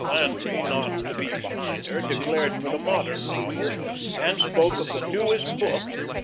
Landry, not to be behind her, declared for the modern novel, and spoke of the "newest book."